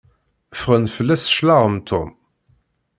Ffɣen fell-as cclaɣem Tom.